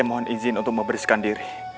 saya mohon izin untuk memberisikkan diri